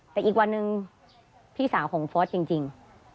แต่อีกวันหนึ่งพี่สาวของฟอสจริง